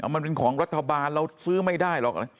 มันเป็นของรัฐบาลเราซื้อไม่ได้หรอก